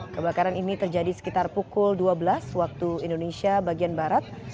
kebakaran ini terjadi sekitar pukul dua belas waktu indonesia bagian barat